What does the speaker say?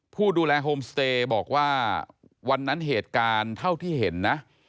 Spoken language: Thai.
ผู้ดูแลโฮมสเตย์บอกว่าวันนั้นเหตุการณ์เท่าที่เห็นนะ